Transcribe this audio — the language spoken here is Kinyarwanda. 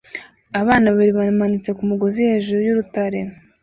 Abantu babiri bamanitse ku mugozi hejuru y'urutare